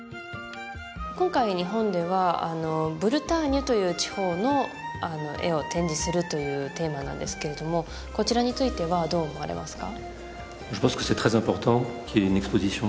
今回日本ではブルターニュという地方の絵を展示するというテーマなんですけれどもこちらについてはどう思われますか？